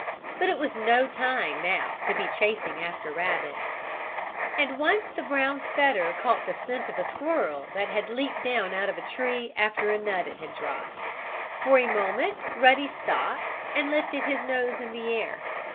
But it was no time, now, to be chasing after rabbits. And once the brown setter caught the scent of a squirrel that had leaped down out of a tree after a nut it had dropped. For a moment Ruddy stopped, and lifted his nose in the air.